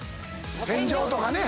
天井とかね。